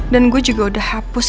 dan gua juga udah hapus